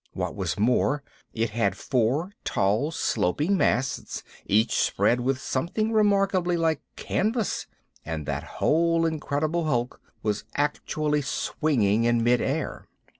What was more, it had four tall, sloping masts, each spread with something remarkably like canvas; and that whole incredible hulk was actually swinging in mid air!